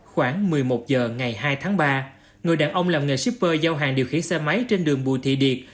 khoảng một mươi một h ngày hai tháng ba người đàn ông làm nghề shipper giao hàng điều khiển xe máy trên đường bùi thị điệt